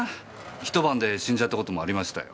一晩で死んじゃったこともありましたよ。